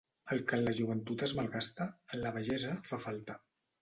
El que en la joventut es malgasta, en la vellesa fa falta.